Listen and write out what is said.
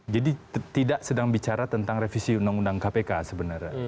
jadi tidak sedang bicara tentang revisi undang undang kpk sebenarnya